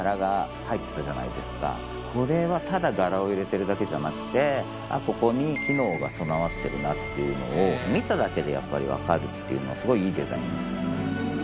これはただ柄を入れてるだけじゃなくてここに機能が備わってるなっていうのを見ただけで分かるっていうのはすごいいいデザイン。